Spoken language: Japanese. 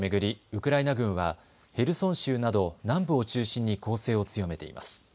ウクライナ軍はヘルソン州など南部を中心に攻勢を強めています。